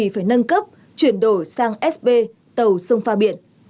tại vì phải nâng cấp chuyển đổi sang sp tàu sông pha biển